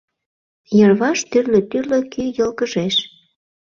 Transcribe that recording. Йырваш тӱрлӧ-тӱрлӧ кӱ йылгыжеш...